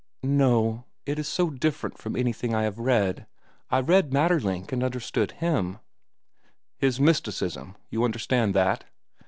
"No, it is so different from anything I have read. I read Maeterlinck and understand him—" "His mysticism, you understand that?"